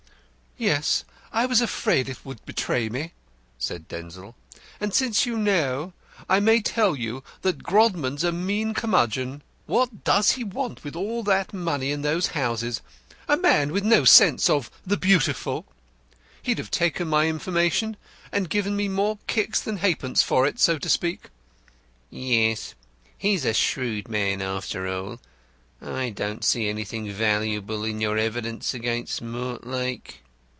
"Yes, I was afraid it would betray me," said Denzil. "And since you know, I may tell you that Grodman's a mean curmudgeon. What does he want with all that money and those houses a man with no sense of the Beautiful? He'd have taken my information, and given me more kicks than ha'pence for it, so to speak." "Yes, he is a shrewd man after all. I don't see anything valuable in your evidence against Mortlake."